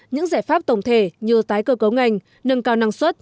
những giải pháp tổng thể như tái cơ cấu ngành nâng cao năng suất